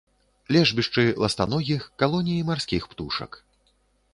Лежбішчы ластаногіх, калоніі марскіх птушак.